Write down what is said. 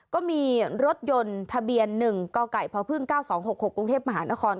ก็มีรถยนต์ทะเบียน๑กไก่พพ๙๒๖๖กรุงเทพมหานคร